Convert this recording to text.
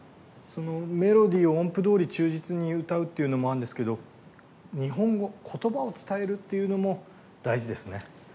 そのメロディーを音符どおり忠実に歌うというのもあるんですけど日本語言葉を伝えるっていうのも大事ですね。